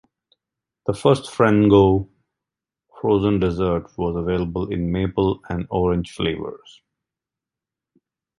The first Frango frozen dessert was available in maple and orange flavors.